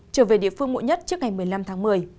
trở về địa phương muộn nhất trước ngày một mươi năm tháng một mươi